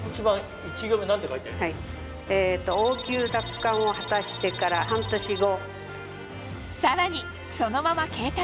「王宮奪還を果たしてから半年後」。